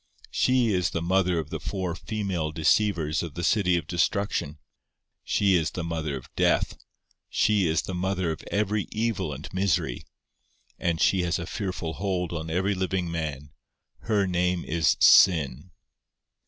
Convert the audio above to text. She is the mother of the four female deceivers of the city of Destruction; she is the mother of Death; she is the mother of every evil and misery; and she has a fearful hold on every living man: her name is Sin.